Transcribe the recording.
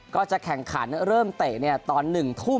ก็จะแข่งขันเริ่มเตะตอน๑ทุ่ม